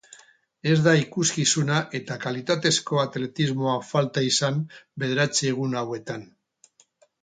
Ez da ikuskizuna eta kalitatezko atletismoa falta izan bederatzi egun hauetan.